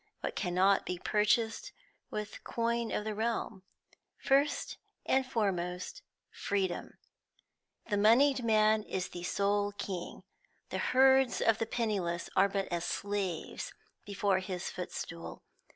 What cannot be purchased with coin of the realm? First and foremost, freedom. The moneyed man is the sole king; the herds of the penniless are but as slaves before his footstool.